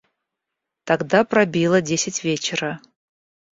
Тогда пробило десять вечера.